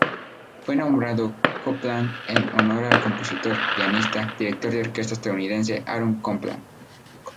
Fue nombrado Copland en honor al compositor, pianista, director de orquesta estadounidense Aaron Copland.